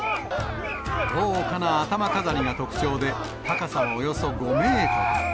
豪華な頭飾りが特徴で、高さはおよそ５メートル。